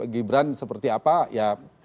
gibran seperti apa